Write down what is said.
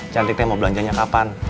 cantik teh mau belanjanya kapan